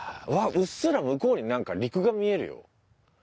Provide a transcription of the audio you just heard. うっすら向こうになんか陸が見えるよ。